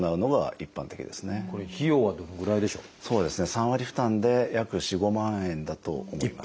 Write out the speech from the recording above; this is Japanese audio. ３割負担で約４５万円だと思います。